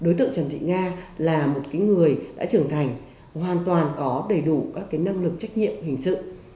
đối tượng trần thị nga là một người đã trưởng thành hoàn toàn có đầy đủ các năng lực trách nhiệm hình sự